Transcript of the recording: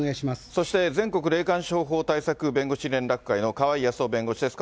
そして、全国霊感商法対策弁護士連絡会の川井康雄弁護士です。